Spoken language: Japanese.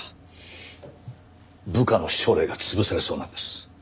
部下の将来が潰されそうなんです。